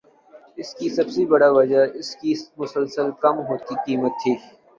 اس کی سب سے بڑی وجہ اس کی مسلسل کم ہوتی قیمت تھی